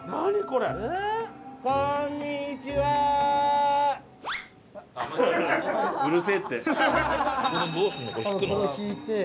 これを引いて。